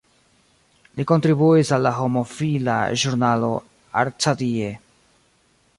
Li kontribuis al la homofila ĵurnalo "Arcadie".